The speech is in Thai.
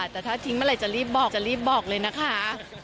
แต่ถ้าทิ้งเมื่อไหร่จะรีบบอกจะรีบบอกเลยนะคะ